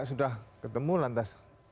sudah ketemu lantas